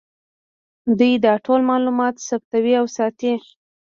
دوی دا ټول معلومات ثبتوي او ساتي یې